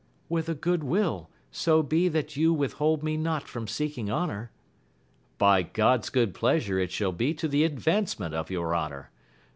— ^With a good will, so be that you withhold me not from seek ing honour. — By God's good pleasure it shall be to the advancement of your honour.